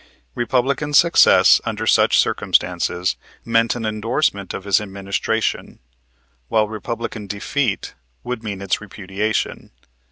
Republican success under such circumstances meant an endorsement of his administration, while Republican defeat would mean its repudiation.